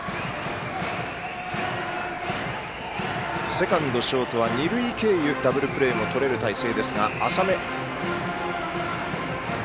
セカンド、ショートは二塁経由ダブルプレーもとれる隊形ですが、浅め。